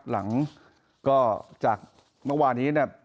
หลังก็จากเมื่อวานี้เนี่ย